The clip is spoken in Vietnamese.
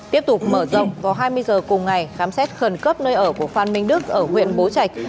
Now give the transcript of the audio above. tiếp tục mở rộng vào hai mươi h cùng ngày khám xét khẩn cấp nơi ở của phan minh đức ở huyện bố trạch